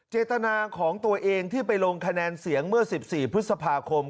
เจตนาของตัวเองที่ไปลงคะแนนเสียงเมื่อ๑๔พฤษภาคม